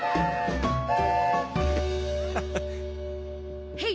ハハハッ。